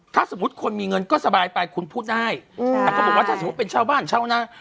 ถ้าสมมุติคนมีเงินก็สบายไปคุณพูดได้แต่เขาบอกว่าถ้าสมมุติเป็นเช่าบ้านเช่าหน้า